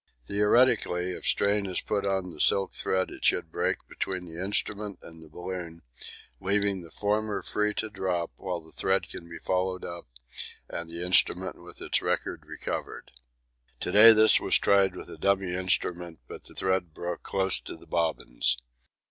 Theoretically, if strain is put on the silk thread it should break between the instrument and the balloon, leaving the former free to drop, when the thread can be followed up and the instrument with its record recovered. To day this was tried with a dummy instrument, but the thread broke close to the bobbins.